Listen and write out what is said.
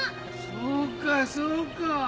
そうかそうか！